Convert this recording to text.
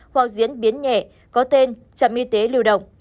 hoặc diễn biến nhẹ có tên trạm y tế lưu động